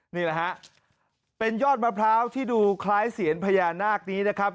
นี่แหละฮะเป็นยอดมะพร้าวที่ดูคล้ายเสียนพญานาคนี้นะครับ